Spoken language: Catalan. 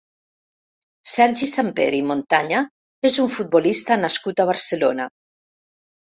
Sergi Samper i Montaña és un futbolista nascut a Barcelona.